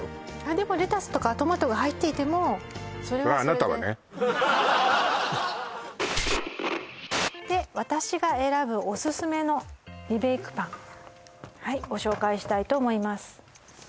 でもレタスとかトマトが入っていてもそれはそれで私が選ぶオススメのリベイクパンはいご紹介したいと思います